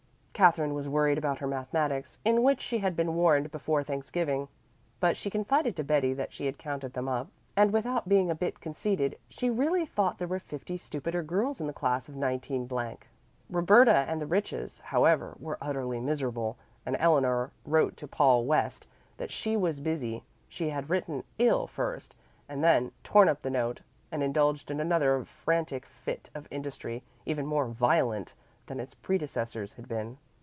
Katherine was worried about her mathematics, in which she had been warned before Thanksgiving, but she confided to Betty that she had counted them up, and without being a bit conceited she really thought there were fifty stupider girls in the class of 19 . Roberta and the Riches, however, were utterly miserable, and Eleanor wrote to Paul West that she was busy she had written "ill" first, and then torn up the note and indulged in another frantic fit of industry, even more violent than its predecessors had been.